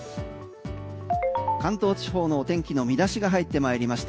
関東地方のお天気の見出しが入ってまいりました。